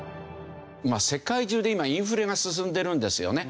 世界中で今インフレが進んでるんですよね。